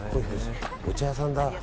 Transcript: お茶屋さんだ。